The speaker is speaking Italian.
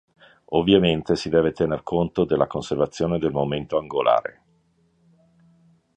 Ovviamente si deve tener conto della conservazione del momento angolare.